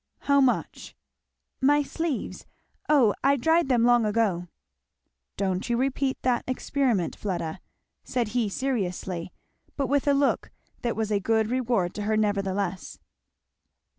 "How much?" "My sleeves, O I dried them long ago." "Don't you repeat that experiment, Fleda," said he seriously, but with a look that was a good reward to her nevertheless.